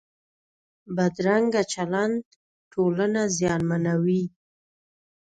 بدرنګه چلند ټولنه زیانمنوي